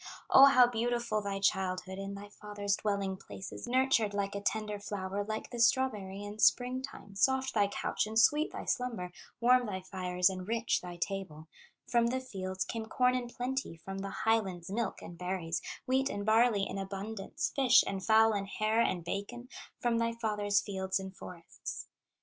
"O how beautiful thy childhood, In thy father's dwelling places, Nurtured like a tender flower, Like the strawberry in spring time; Soft thy couch and sweet thy slumber, Warm thy fires and rich thy table; From the fields came corn in plenty, From the highlands, milk and berries, Wheat and barley in abundance, Fish, and fowl, and hare, and bacon, From thy father's fields and forests.